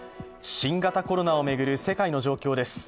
新型コロナを巡る世界の状況です。